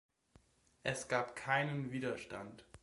Es gab keinen Widerstand.